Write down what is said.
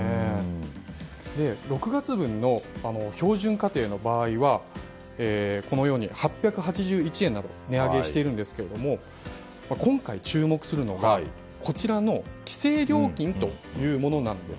６月分の標準家庭の場合は８８１円の値上げをしているんですけども今回、注目するのがこちらの規制料金というものなんです。